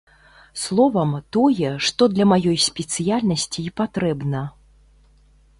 Словам, тое, што для маёй спецыяльнасці і патрэбна.